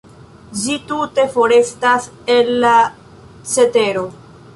Ĝi tute forestas el la cetero.